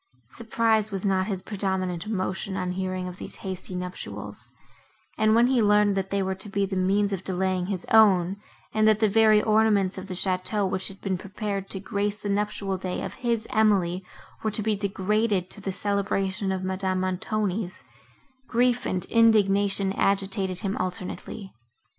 Surprise was not his predominant emotion on hearing of these hasty nuptials; and, when he learned, that they were to be the means of delaying his own, and that the very ornaments of the château, which had been prepared to grace the nuptial day of his Emily, were to be degraded to the celebration of Madame Montoni's, grief and indignation agitated him alternately.